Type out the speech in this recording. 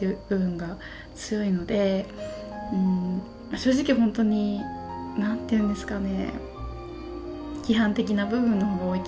正直本当に何て言うんですかね